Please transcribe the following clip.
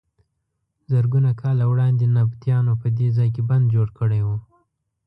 زرګونه کاله وړاندې نبطیانو په دې ځای کې بند جوړ کړی و.